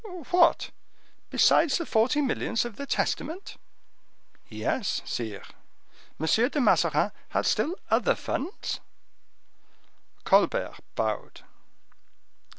"What! besides the forty millions of the testament?" "Yes, sire." "M. de Mazarin had still other funds?" Colbert bowed.